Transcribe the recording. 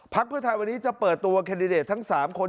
เพื่อไทยวันนี้จะเปิดตัวแคนดิเดตทั้ง๓คน